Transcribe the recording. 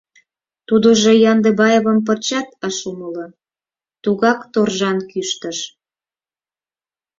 Тудыжо Яндыбаевым пырчат ыш умыло, тугак торжан кӱштыш: